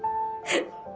えっ？